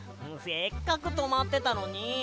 せっかくとまってたのに。